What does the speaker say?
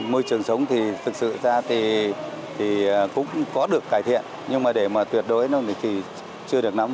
môi trường sống thì thực sự ra thì cũng có được cải thiện nhưng mà để mà tuyệt đối nó định kỳ chưa được nắm